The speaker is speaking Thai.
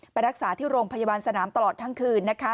ไปรักษาที่โรงพยาบาลสนามตลอดทั้งคืนนะคะ